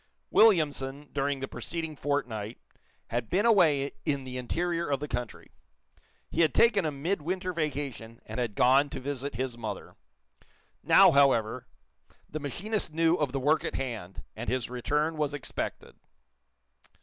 Williamson, during the preceding fortnight, had been away in the interior of the country. He had taken a midwinter vacation, and had gone to visit his mother. Now, however, the machinist knew of the work at hand, and his return was expected.